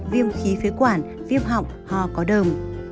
viêm khí phế quản viêm họng họ có đồng